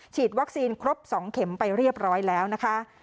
ฉีดวัคซีนครบ๒เข็มไปเรียบร้อยแล้วนะคะ